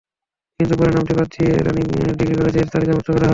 কিন্তু পরে নামটি বাদ দিয়ে রানীশংকৈল ডিগ্রি কলেজকে তালিকাভুক্ত করা হয়েছে।